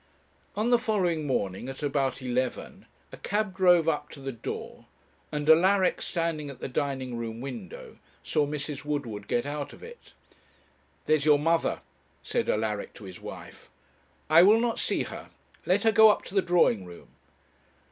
On the following morning, at about eleven, a cab drove up to the door, and Alaric, standing at the dining room window, saw Mrs. Woodward get out of it. 'There's your mother,' said Alaric to his wife. 'I will not see her let her go up to the drawing room.'